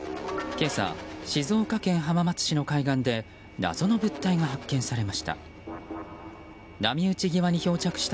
今朝、静岡県浜松市の海岸で謎の物体が発見されました。